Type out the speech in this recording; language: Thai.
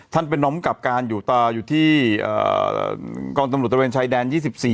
ท่านเป็นน้ำกับการอยู่ที่กรรมตำรวจตะเวียนชายแดน๒๔